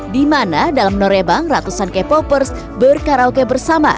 di mana dalam norebang ratusan k popers berkaraoke bersama